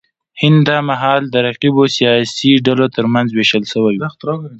هند دا مهال د رقیبو سیاسي ډلو ترمنځ وېشل شوی و.